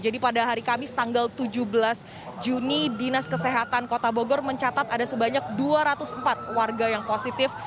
jadi pada hari kamis tanggal tujuh belas juni dinas kesehatan kota bogor mencatat ada sebanyak dua ratus empat warga yang positif